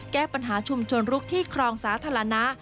แก้ปัญหาชุมชนลุกที่ครองสาธารณะ